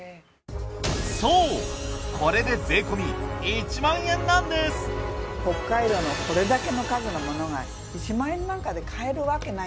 そうこれで北海道のこれだけの数のものが１万円なんかで買えるわけない。